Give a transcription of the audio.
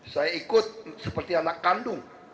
saya ikut seperti anak kandung